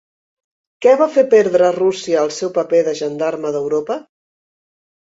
Què va fer perdre a Rússia el seu paper de gendarme d'Europa?